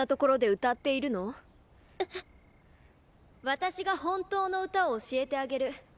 私が本当の歌を教えてあげる。